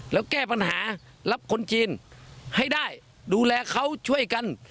แล้วแก้ปัญหารับคนจีนให้ได้ดูแลเขาช่วยกัน